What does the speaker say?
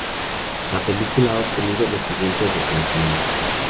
La película ha obtenido los siguientes reconocimientos.